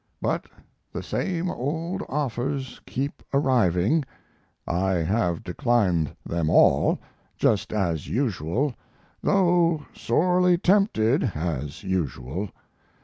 But the same old offers keep arriving. I have declined them all, just as usual, though sorely tempted, as usual.